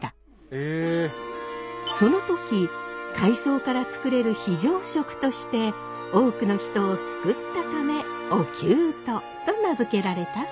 その時海藻から作れる非常食として多くの人を救ったため「おきゅうと」と名付けられたそう。